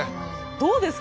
どうですか？